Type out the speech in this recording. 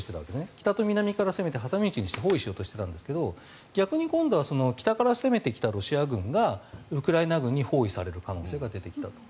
北と南から攻めて挟み撃ちにして包囲しようとしているんですが逆に今度は北から攻めてきたロシア軍がウクライナ軍に包囲される可能性が出てきたと。